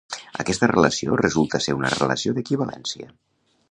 Aquesta relació resulta ser una relació d'equivalència.